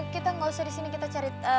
kita gak usah disini kita cari